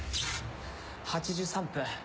８３分。